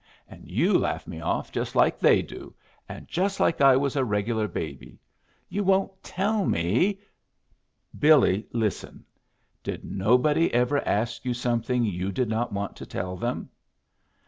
And you laugh me off, just like they do, and just like I was a regular baby. You won't tell me " "Billy, listen. Did nobody ever ask you something you did not want to tell them?"